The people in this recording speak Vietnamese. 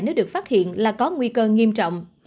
khi phát hiện là có nguy cơ nghiêm trọng